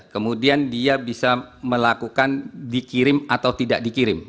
kemudian dia bisa melakukan dikirim atau tidak dikirim